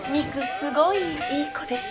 すごいいい子でしょ？